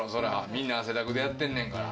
みんな汗だくでやってんねんから。